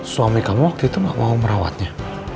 suami kamu waktu itu gak mau merawatnya